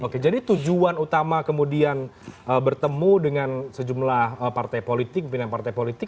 oke jadi tujuan utama kemudian bertemu dengan sejumlah partai politik pimpinan partai politik